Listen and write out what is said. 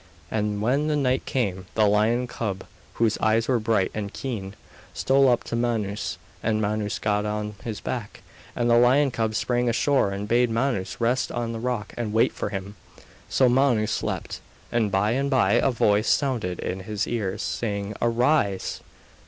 And when night came, the lion cub, whose eyes were bright and keen, stole up to Manus, and Manus got on his back, and the lion cub sprang ashore and bade Manus rest on the rock and wait for him. So Manus slept, and by and by a voice sounded in his ears, saying: 'Arise!